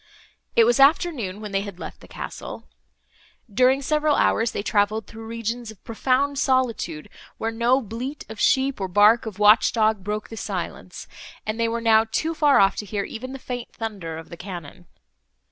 It was afternoon, when they had left the castle. During several hours, they travelled through regions of profound solitude, where no bleat of sheep, or bark of watch dog, broke on silence, and they were now too far off to hear even the faint thunder of the cannon.